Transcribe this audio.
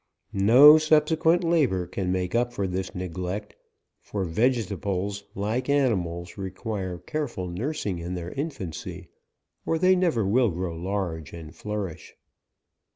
No subse quent labour can make up for this neglect ; for vegetables, like animals, require careful nursing in their infancy, or they never will grow large and flourish.